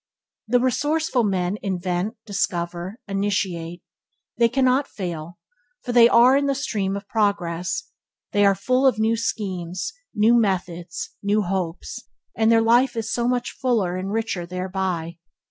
The resourceful men invent, discover, initiate. They cannot fail, for they are in the stream of progress. They are full of new schemes, new methods, new hopes, and their life is so much fuller and richer thereby.